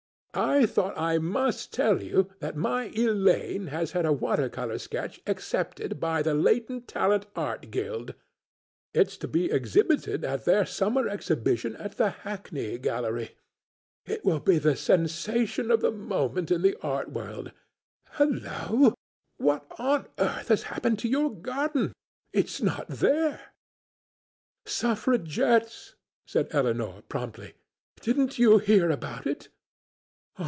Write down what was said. "I thought I must tell you that my Elaine has had a water colour sketch accepted by the Latent Talent Art Guild; it's to be exhibited at their summer exhibition at the Hackney Gallery. It will be the sensation of the moment in the art world—Hullo, what on earth has happened to your garden? It's not there!" "Suffragettes," said Elinor promptly; "didn't you hear about it?